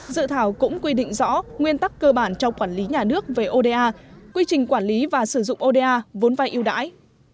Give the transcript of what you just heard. dự thảo cũng quy định rõ nguyên tắc cơ bản trong quản lý nhà nước về oda quy trình quản lý và sử dụng oda vốn vai yêu đãi